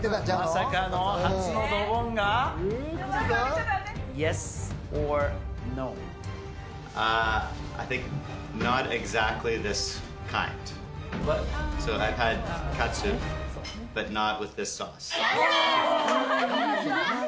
まさかの、初のドボンが？よかった。